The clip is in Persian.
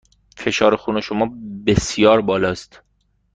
فشار خون شما بسیار بالا است.